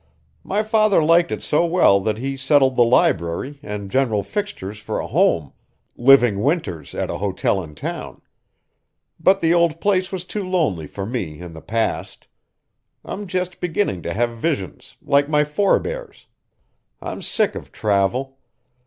My father liked it so well that he settled the library and general fixtures for a home, living winters at a hotel in town. But the old place was too lonely for me in the past. I'm just beginning to have visions, like my forebears. I'm sick of travel.